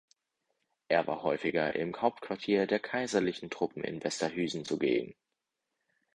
Er war häufiger im Hauptquartier der kaiserlichen Truppen in Westerhüsen zugegen.